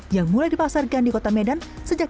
yang mulai dipasarkan di kota medan sejak dua ribu lima belas